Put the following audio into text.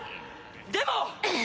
でも！